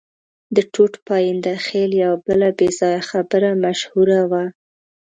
د ټوټ پاینده خېل یوه بله بې ځایه خبره مشهوره وه.